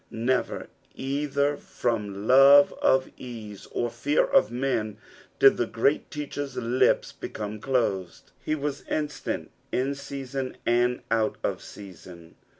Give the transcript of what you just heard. Never either from love of ease, or fear of men, did tho Great Teacher's lips become closed. He was instant in season and out of season.